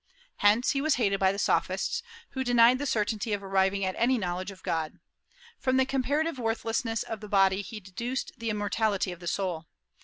Hence he was hated by the Sophists, who denied the certainty of arriving at any knowledge of God. From the comparative worthlessness of the body he deduced the immortality of the soul.